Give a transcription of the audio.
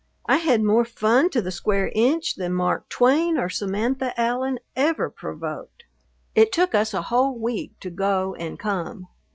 I had more fun to the square inch than Mark Twain or Samantha Allen ever provoked. It took us a whole week to go and come.